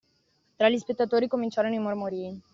Tra gli spettatori cominciarono i mormorii.